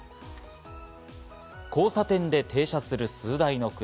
交差点で停車する数台の車。